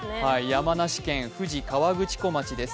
山梨県富士河口湖町です。